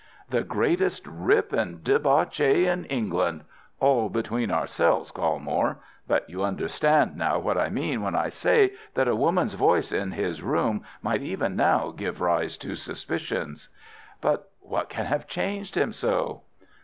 "The greatest rip and debauchee in England! All between ourselves, Colmore. But you understand now what I mean when I say that a woman's voice in his room might even now give rise to suspicions." "But what can have changed him so?"